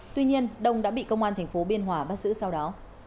tuy nhiên đông đã bị công an thành phố biên hòa bắt giữ sau đó